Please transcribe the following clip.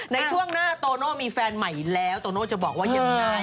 ในช่วงหน้าโตโน่มีแฟนใหม่แล้วโตโน่จะบอกว่ายังไง